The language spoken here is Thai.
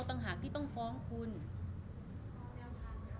รูปนั้นผมก็เป็นคนถ่ายเองเคลียร์กับเรา